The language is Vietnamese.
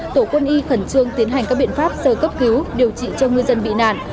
tổ quân y khẩn trương tiến hành các biện pháp sơ cấp cứu điều trị cho ngư dân bị nạn